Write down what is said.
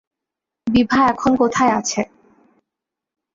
বিভা এখন কোথায় আছে?